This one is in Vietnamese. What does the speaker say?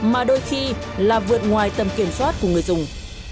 mà đôi khi là vượt ngoài tầm kiểm soát của người dùng